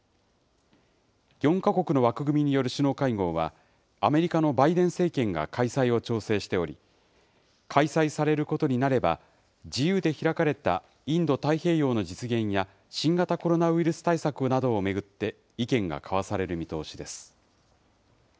４か国の枠組みによる首脳会合は、アメリカのバイデン政権が開催を調整しており、開催されることになれば、自由で開かれたインド太平洋の実現や、新型コロナウイルス対策などを巡って意見が交わされる見通しです。